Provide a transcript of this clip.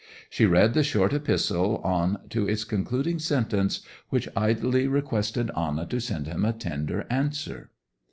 She read the short epistle on to its concluding sentence, which idly requested Anna to send him a tender answer.